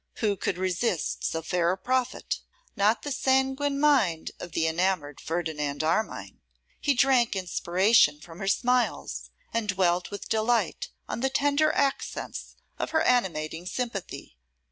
Who could resist so fair a prophet? Not the sanguine mind of the enamoured Ferdinand Armine. He drank inspiration from her smiles, and dwelt with delight on the tender accents of her animating sympathy.